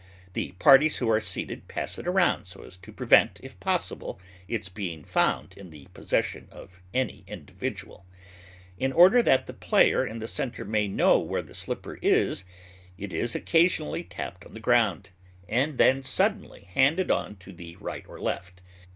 The parties who are seated pass it round so as to prevent, if possible, its being found in the possession of any individual. In order that the player in the centre may know where the slipper is, it is occasionally tapped on the ground and then suddenly handed on to right or left.